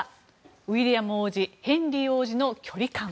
ウィリアム王子ヘンリー王子の距離感。